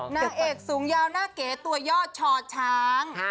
นางเอกสูงยาวหน้าเก๋ตัวยอดชอช้าง